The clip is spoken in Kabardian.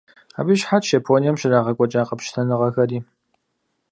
Абы и щыхьэтщ Японием щрагъэкӀуэкӀа къэпщытэныгъэхэри.